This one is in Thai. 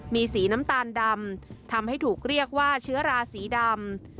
มีสีน้ำตาลดำทำให้ถูกเรียกว่าเชื้อราสีดำ